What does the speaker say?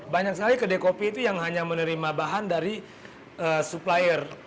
banyak sekali kedai kopi itu yang hanya menerima bahan dari supplier